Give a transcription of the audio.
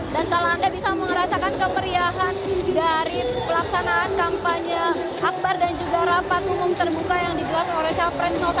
dan kalau anda bisa merasakan kemeriahan dari pelaksanaan kampanye akbar dan juga rapat umum terbuka yang digelarkan oleh capres satu